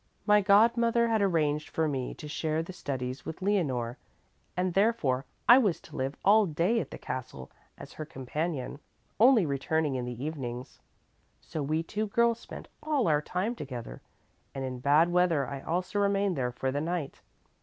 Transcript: "My godmother had arranged for me to share the studies with Leonore, and therefore I was to live all day at the castle as her companion, only returning in the evenings. So we two girls spent all our time together, and in bad weather I also remained there for the night.